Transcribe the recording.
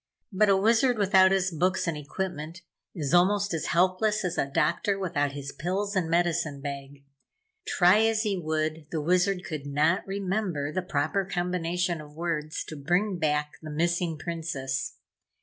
But a Wizard without his books and equipment, is almost as helpless as a doctor without his pills and medicine bag. Try as he would, the Wizard could not remember the proper combination of words to bring back the missing Princess.